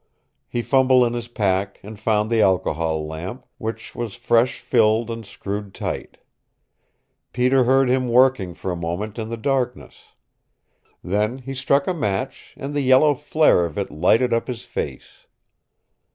He fumbled in his pack and found the alcohol lamp, which was fresh filled and screwed tight. Peter heard him working for a moment in the darkness. Then he struck a match, and the yellow flare of it lighted up his face.